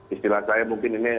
istilah saya mungkin ini